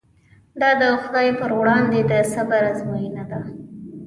دا د خدای پر وړاندې د صبر ازموینه ده.